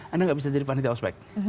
anda tidak bisa jadi panitia ospec